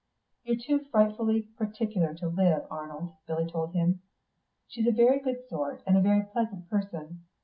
"You're too frightfully particular to live, Arnold," Billy told him. "She's a very good sort and a very pleasant person.